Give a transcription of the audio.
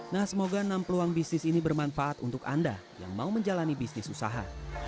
nah semoga enam peluang bisnis ini bermanfaat untuk anda yang mau menjalani bisnis usaha